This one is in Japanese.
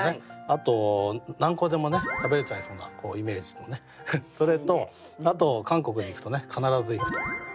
あと何個でも食べれちゃいそうなイメージもねそれとあと韓国に行くと必ず行くと。